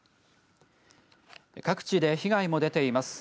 各地で被害も出ています。